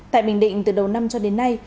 tại bình định từ đầu năm cho đến nay